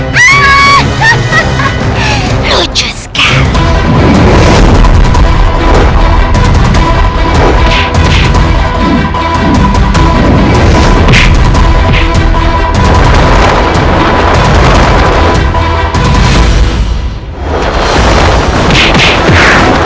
jangan lupa like share dan subscribe ya